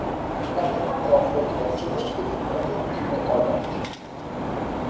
Gavirate offre diversi esempi di progetti ecologici.